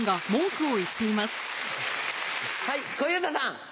はい小遊三さん。